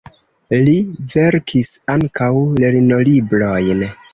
Li verkis ankaŭ lernolibrojn.